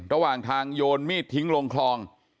ระหว่างทางโยนมีดทิ้งลงคลอง